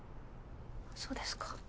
そうですか。